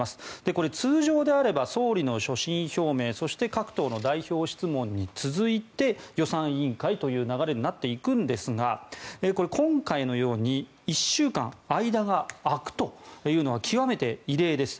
これ、通常であれば総理の所信表明そして各党の代表質問に続いて予算委員会という流れになっていくんですが今回のように１週間、間が空くというのは極めて異例です。